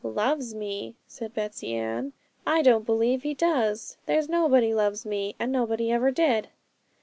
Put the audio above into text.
'Loves me?' said Betsey Ann; 'I don't believe He does. There's nobody loves me, and nobody never did!'